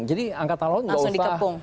jadi angkatan laut langsung dikepung